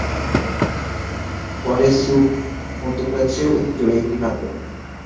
ফলের স্যুপ মধ্য প্রাচ্যে ঐতিহ্যবাহী একটি খাদ্য।